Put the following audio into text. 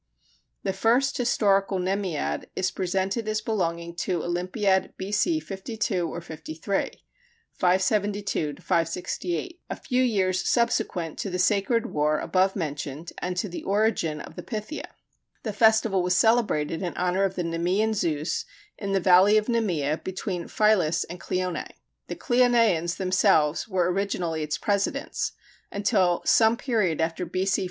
The first historical Nemead is presented as belonging to Olympiad B.C. 52 or 53 (572 568), a few years subsequent to the Sacred War above mentioned and to the origin of the Pythia. The festival was celebrated in honor of the Nemean Zeus, in the valley of Nemea between Philus and Cleonæ. The Cleonæans themselves were originally its presidents, until, some period after B.C.